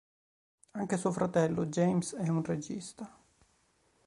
Anche suo fratello James è un regista.